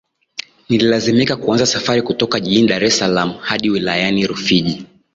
Nililazimika kuanza safari kutoka jijini Dar es Salaam hadi wilayani Rufiji